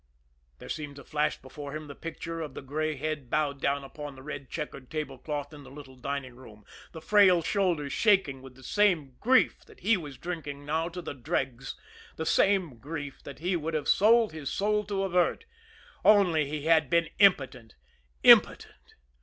There seemed to flash before him the picture of the gray head bowed upon the red checkered tablecloth in the little dining room, the frail shoulders shaking with the same grief that he was drinking now to the dregs, the same grief that he would have sold his soul to avert only he had been impotent impotent.